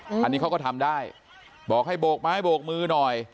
อันนี้เขาก็ทำได้บอกให้โบกไม้โบกมือหน่อย